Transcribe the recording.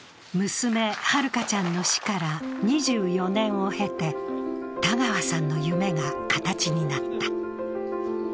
娘、はるかちゃんの死から２４年を経て、田川さんの夢が形になった。